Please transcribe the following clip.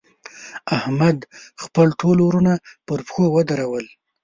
احمد؛ خپل ټول وروڼه پر پښو ودرول.